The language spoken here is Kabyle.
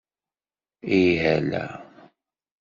Ih, ala.